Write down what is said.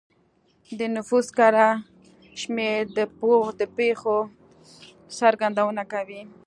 د نفوس کره شمېر د پېښو څرګندونه کوي.